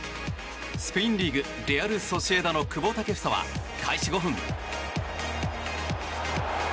スペインリーグレアル・ソシエダの久保建英は開始５分。